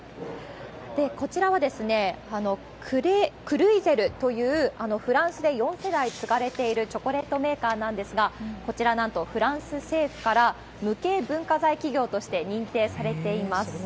こちらはクルイゼルというフランスで４世代継がれているチョコレートメーカーなんですが、こちら、なんとフランス政府から無形文化財企業として認定されています。